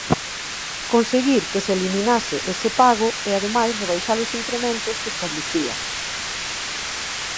Conseguir que se eliminase ese pago, e ademais rebaixar os incrementos que establecía.